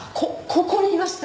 ここにいました。